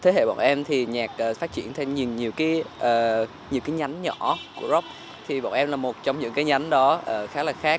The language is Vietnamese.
thế hệ bọn em thì nhạc phát triển thêm nhiều cái nhánh nhỏ của rock thì bọn em là một trong những cái nhánh đó khá là khác